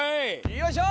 よいしょ！